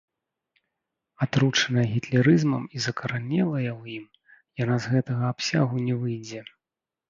Атручаная гітлерызмам і закаранелая ў ім, яна з гэтага абсягу не выйдзе.